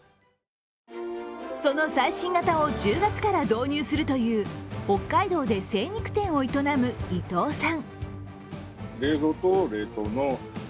その最新型を１０月から導入するという北海道で精肉店を営む伊藤さん。